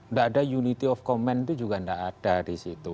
nggak ada unity of command itu juga tidak ada di situ